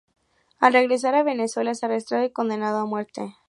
Al regresar a Venezuela es arrestado y condenado a muerte.